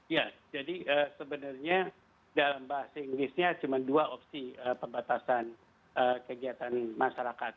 ya jadi sebenarnya dalam bahasa inggrisnya cuma dua opsi pembatasan kegiatan masyarakat